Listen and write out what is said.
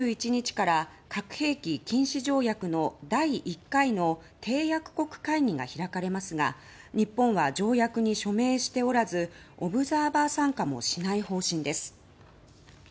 現地では２１日から核兵器禁止条約の第１回の締約国会議が開かれますが日本は条約に署名しておらずオブザーバー参加もしない方針です。